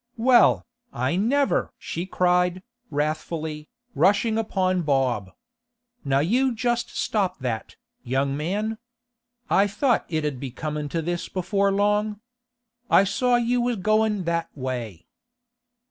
'Well, I never!' she cried, wrathfully, rushing upon Bob. 'Now you just stop that, young man! I thought it 'ud be comin' to this before long. I saw you was goin' that way.